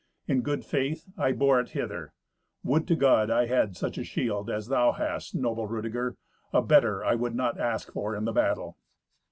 In good faith I bore it hither. Would to God I had such a shield as thou hast, noble Rudeger! A better I would not ask for in the battle."